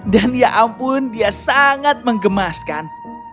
dan ya ampun dia sangat mengemaskan